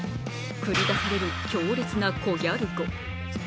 繰り出される強烈なコギャル語。